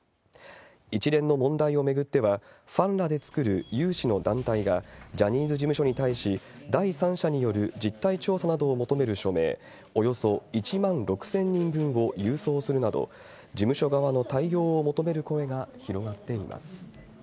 一連の問題を巡っては、ファンらで作る有志の団体が、ジャニーズ事務所に対し、第三者による実態調査などを求める署名およそ１万６０００人分を郵送するなど、事務所側の対応を求める声が広がっています。